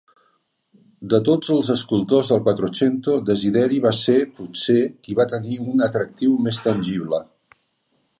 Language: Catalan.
De tots els escultors del Quattrocento, Desideri va ser, potser, qui va tenir un atractiu més tangible.